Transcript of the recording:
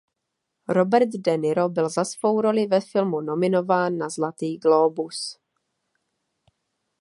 Robert De Niro byl za svou roli ve filmu nominován na Zlatý glóbus.